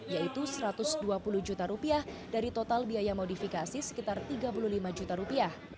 yaitu satu ratus dua puluh juta rupiah dari total biaya modifikasi sekitar tiga puluh lima juta rupiah